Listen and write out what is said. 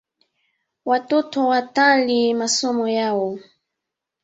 Watoto watalii masomo yao